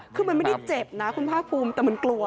คือมันไม่ได้เจ็บนะคุณภาคภูมิแต่มันกลัว